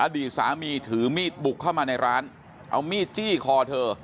อดีตสามีถือมีดบุกเข้ามาในร้านเอามีดจี้คอเธอ